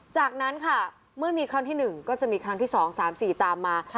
จากนั้นค่ะเมื่อมีครั้งที่๑ก็จะมีครั้งที่๒๓๔ตามมา